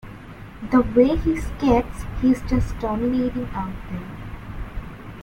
The way he skates, he's just dominating out there.